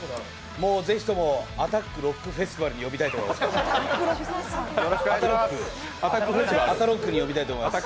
ぜひともアタックロックフェスティバルに呼びたいと思います。